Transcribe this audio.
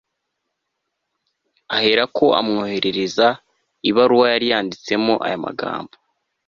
ahera ko amwoherereza ibaruwa yari yanditsemo aya magambo